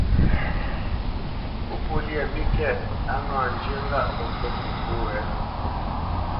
Pópo lyá mbíkɛ̂t, á ŋǎ zhyə́ ŋgâʼ pə́ ŋkût popó wé.